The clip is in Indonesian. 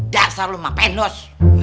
dasar lu mah pendos